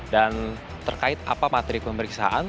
dan terkait apa materi pemeriksaan